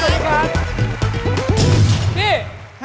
สวัสดีครับสวัสดีครับ